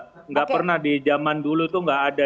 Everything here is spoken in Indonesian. tidak pernah di zaman dulu itu tidak ada